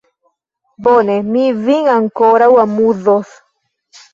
Bone, mi vin ankoraŭ amuzos!